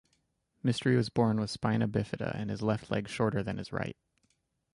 Mistry was born with spina bifida and his left leg shorter than his right.